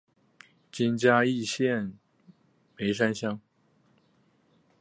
今嘉义县梅山乡。